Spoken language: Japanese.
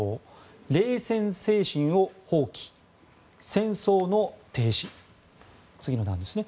冷戦精神を放棄戦争の停止次の段ですね